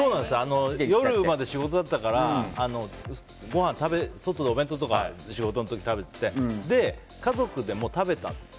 夜まで仕事だったからごはん、外でお弁当とか仕事の時、食べてて家族で食べたって。